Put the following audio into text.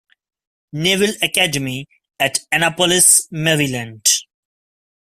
Naval Academy at Annapolis, Maryland.